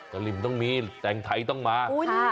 กะลิมต้องมีแต่งไทยต้องมา